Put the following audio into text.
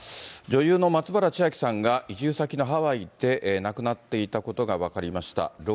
女優の松原千明さんが移住先のハワイで亡くなっていたことが分かりました。